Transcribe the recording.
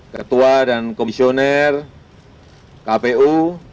ketua dan komisioner kpu